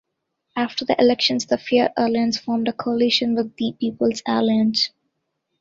After the elections the "Fear-Alliance" formed a coalition with The People's Alliance.